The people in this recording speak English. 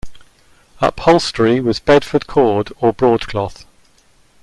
Upholstery was Bedford cord or broadcloth.